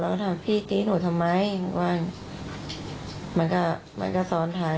เราก็ถามพี่ตีหนูทำไมว่ามันก็ซ้อนทาง